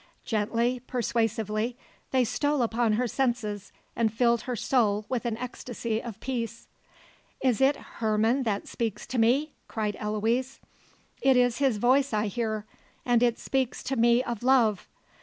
Gently, persuasively, they stole upon her senses and filled her soul with an ecstasy of peace. "Is it Herman that speaks to me?" cried Eloise. "It is his voice I hear, and it speaks to me of love.